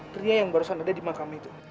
pria yang barusan ada di makam itu